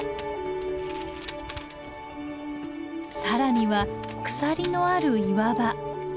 更には鎖のある岩場。